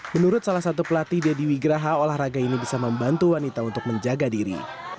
menurut salah satu pelatih deddy wigraha olahraga ini bisa membantu wanita untuk menjaga diri